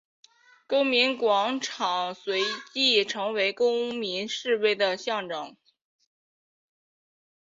公民广场随即成为公民示威的象征。